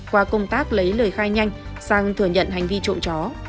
qua công tác lấy lời khai nhanh sang thừa nhận hành vi trộm chó